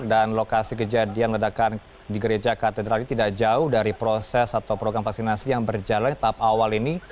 dan lokasi kejadian ledakan di gereja katedral ini tidak jauh dari proses atau program vaksinasi yang berjalan di tahap awal ini